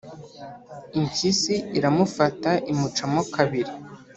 impyisi iramufata imucamo kabiri,